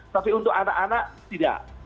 tapi untuk anak anak tidak